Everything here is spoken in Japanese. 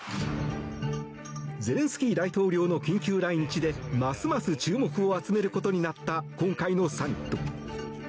ゼレンスキー大統領の緊急来日でますます注目を集めることになった今回のサミット。